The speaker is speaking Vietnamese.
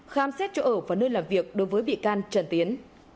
khám xét chỗ ở và nơi làm việc đối với bị can trần tiến